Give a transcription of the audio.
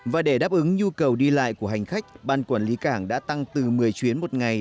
và để đáp ứng nhu cầu đi lại của hành khách ban quản lý cảng đã tăng từ một mươi chuyến một ngày